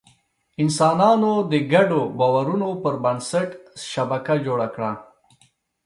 انسانانو د ګډو باورونو پر بنسټ شبکه جوړه کړه.